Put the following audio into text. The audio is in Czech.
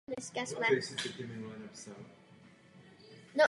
Musíme poskytnout pomoc, která je pro tyto účely potřebná.